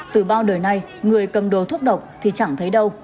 từ bao đời nay người cầm đồ thuốc độc thì chẳng thấy đâu